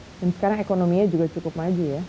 dan sekarang ekonominya juga cukup maju ya